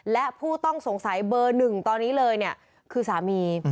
และผู้ต้องสงสัยเบอร์๑ตอนนี้เลยคือสามี